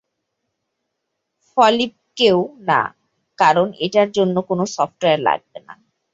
ফিলিপকেও না, কারণ এটার জন্য কোনো সফটওয়্যার লাগবে না।